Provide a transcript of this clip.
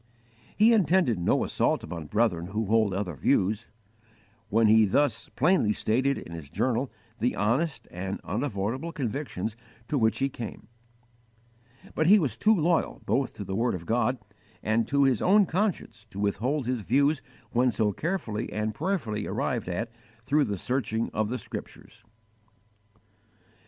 He intended no assault upon brethren who hold other views, when he thus plainly stated in his journal the honest and unavoidable convictions to which he came; but he was too loyal both to the word of God and to his own conscience to withhold his views when so carefully and prayerfully arrived at through the searching of the Scriptures.